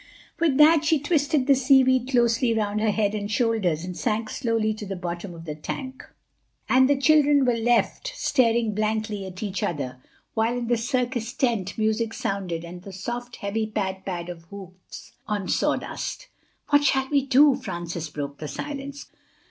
With that she twisted the seaweed closely around her head and shoulders and sank slowly to the bottom of the tank. And the children were left staring blankly at each other, while in the circus tent music sounded and the soft heavy pad pad of hoofs on sawdust. "What shall we do?" Francis broke the silence.